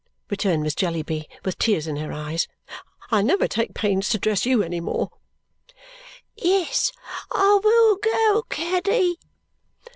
returned Miss Jellyby with tears in her eyes. "I'll never take pains to dress you any more." "Yes, I will go, Caddy!"